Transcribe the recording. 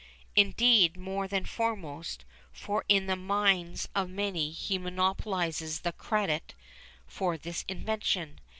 Indeed more than foremost, for in the minds of many he monopolises the credit for this invention.